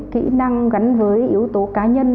kỹ năng gắn với yếu tố cá nhân